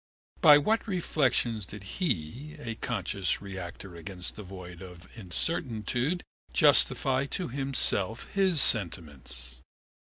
By what reflections did he, a conscious reactor against the void of incertitude, justify to himself his sentiments?